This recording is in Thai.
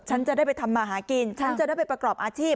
ฉันจะได้ไปทำมาหากินฉันจะได้ไปประกอบอาชีพ